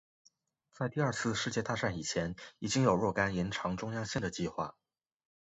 在第二次世界大战以前已经有若干延长中央线的计划。